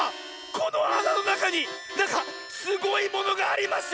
このあなのなかになんかすごいものがありますよ！